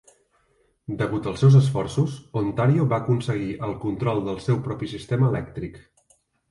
Degut als seus esforços, Ontario va aconseguir el control del seu propi sistema elèctric.